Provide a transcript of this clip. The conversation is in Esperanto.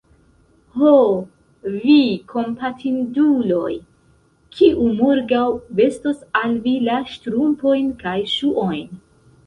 Ho, vi kompatinduloj! kiu morgaŭ vestos al vi la ŝtrumpojn kaj ŝuojn?